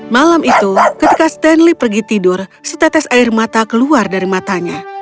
malam itu ketika stanley pergi tidur setetes air mata keluar dari matanya